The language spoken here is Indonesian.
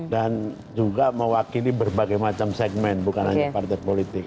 dan juga mewakili berbagai macam segmen bukan hanya partai politik